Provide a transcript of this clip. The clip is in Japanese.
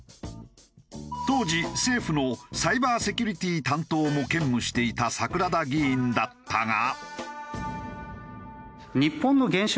当時政府のサイバーセキュリティ担当も兼務していた桜田議員だったが。